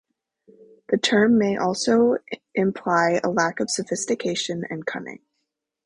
The term may also imply a lack of sophistication and cunning.